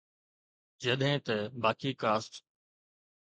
جڏهن ته باقي ڪاسٽ